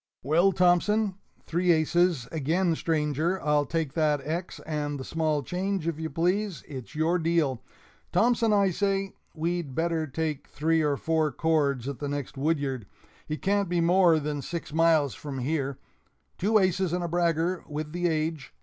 "Well, Thompson (Three aces, again, stranger I'll take that X and the small change, if you please. It's your deal) Thompson, I say, we'd better take three or four cords at the next woodyard it can't be more than six miles from here (Two aces and a bragger, with the age!